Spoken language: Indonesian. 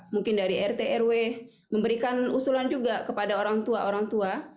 mungkin dari rt rw memberikan usulan juga kepada orang tua orang tua